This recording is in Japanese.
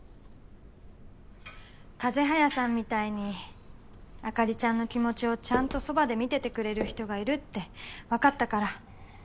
風早さんみたいに朱梨ちゃんの気持ちをちゃんと側で見ててくれる人がいるってわかったから。